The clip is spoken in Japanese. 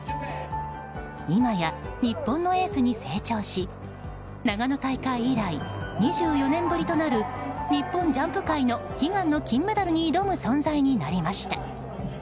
今や、日本のエースに成長し長野大会以来２４年ぶりとなる日本ジャンプ界の悲願の金メダルに挑む存在になりました。